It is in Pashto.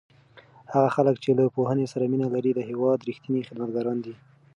هغه خلک چې له پوهنې سره مینه لري د هېواد رښتیني خدمتګاران دي.